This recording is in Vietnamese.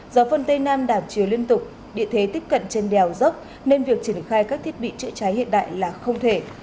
gió phân tây nam đảm chiều liên tục địa thế tiếp cận trên đèo dốc nên việc triển khai các thiết bị chữa cháy hiện đại là không thể